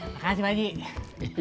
makasih pak jik